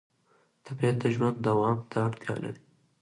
طبیعت د ژوند دوام ته اړتیا لري